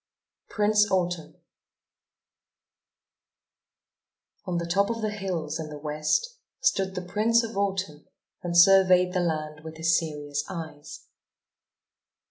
PRINCE AUTUMN CARL EWALD On the top of the hills in the West stood the Prince of Autumn and surveyed the land with his serious eyes.